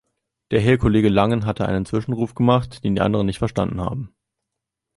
Der Herr Kollege Langen hat einen Zwischenruf gemacht, den die anderen nicht verstanden haben.